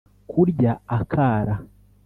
kurya akara